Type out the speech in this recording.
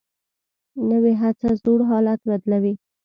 نوې هڅه زوړ حالت بدلوي